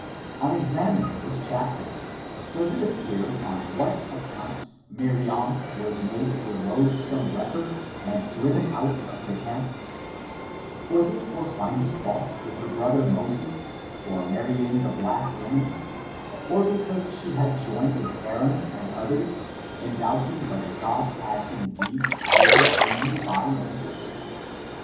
On examining this chapter, does it appear on wh(U account Miriam was made a loathsome leper, and driven out of the camp — ^was it for finding fault with her brother Moses, for marrying the black woman, or because she had joined with jioron and others, in doubting whether God had indeed spoken only by Moses?